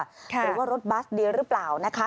หรือว่ารถบัสเดียวหรือเปล่านะคะ